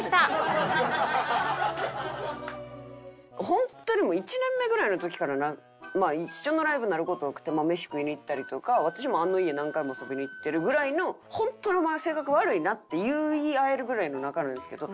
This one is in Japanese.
ホントに１年目ぐらいの時から一緒のライブになる事が多くて飯食いに行ったりとか私もあの家何回も遊びに行ってるぐらいの「本当にお前は性格悪いな」って言い合えるぐらいの仲なんですけど。